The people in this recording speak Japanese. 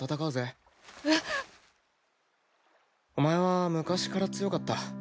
えっ？お前は昔から強かった。